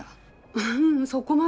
ううんそこまでは。